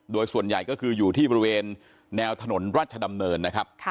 โดยส่วนใหญ่ก็คืออยู่ที่บริเวณแนวถนนราชดำเนินนะครับ